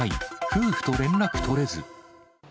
夫婦と連絡取れず。